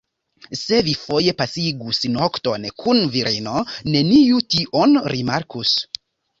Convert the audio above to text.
Se vi foje pasigus nokton kun virino, neniu tion rimarkus.